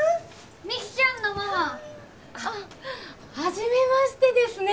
未希ちゃんのママあっはじめましてですね